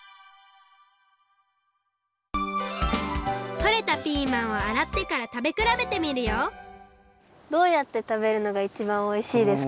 とれたピーマンをあらってからたべくらべてみるよどうやってたべるのがいちばんおいしいですか？